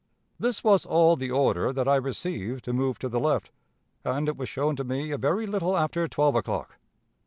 This was all the order that I received to move to the left, and it was shown to me a very little after twelve o'clock....